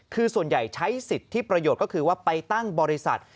คือส่วนใหญ่ใช้สิทธิประโยชน์ก็คือว่าไปตั้งบริษัท